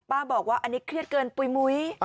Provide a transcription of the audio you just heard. บอกว่าอันนี้เครียดเกินปุ๋ยมุ้ย